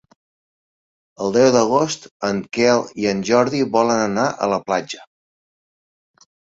El deu d'agost en Quel i en Jordi volen anar a la platja.